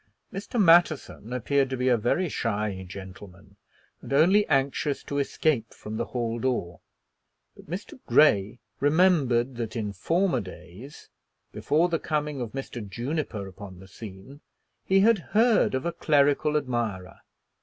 Mr. Matterson appeared to be a very shy gentleman, and only anxious to escape from the hall door. But Mr. Grey remembered that in former days, before the coming of Mr. Juniper upon the scene, he had heard of a clerical admirer.